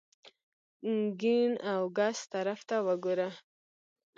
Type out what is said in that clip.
ګېڼ او ګس طرف ته ګوره !